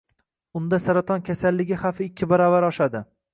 Unda saraton kasalligi xavfi ikki baravar oshadi.